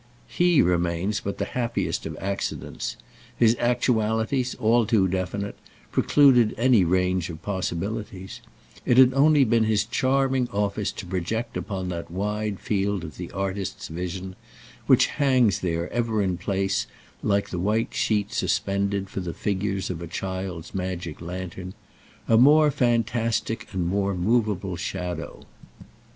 He remains but the happiest of accidents; his actualities, all too definite, precluded any range of possibilities; it had only been his charming office to project upon that wide field of the artist's vision—which hangs there ever in place like the white sheet suspended for the figures of a child's magic lantern—a more fantastic and more moveable shadow.)